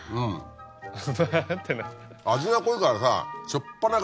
味が濃いからさ。